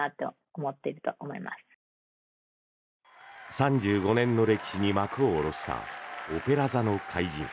３５年の歴史に幕を下ろした「オペラ座の怪人」。